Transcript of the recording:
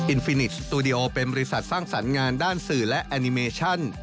ฟินิกสตูดิโอเป็นบริษัทสร้างสรรค์งานด้านสื่อและแอนิเมชั่น